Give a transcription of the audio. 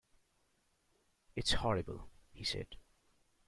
"It's horrible," he said.